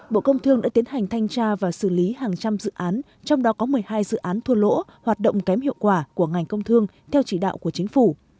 bộ công thương đã tiến hành thanh tra và xử lý hàng trăm dự án trong đó có một mươi hai dự án thua lỗ hoạt động kém hiệu quả của ngành công thương theo chỉ đạo của chính phủ